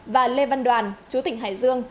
và lê văn đoàn chú tỉnh hải dương